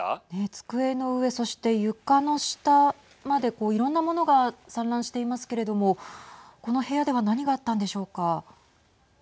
机の上、そして床の下までいろいろな物が散乱していますけれどもこの部屋では何があったんでしょうか。